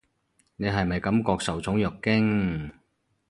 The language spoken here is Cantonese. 你係咪感覺受寵若驚？